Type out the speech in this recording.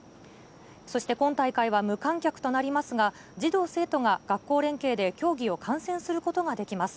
そして今大会は無観客となりますが、児童・生徒が学校連携で競技を観戦することができます。